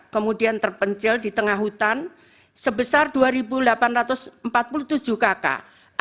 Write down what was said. kemudian terpencil di tengah hutan sebesar dua delapan ratus empat puluh tujuh kakak